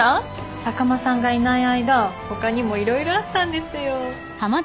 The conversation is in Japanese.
坂間さんがいない間他にも色々あったんですよ。